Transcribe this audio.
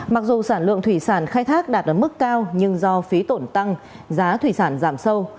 mặc dù sản lượng thủy sản khai thác đạt ở mức cao nhưng do phí tổn tăng giá thủy sản giảm sâu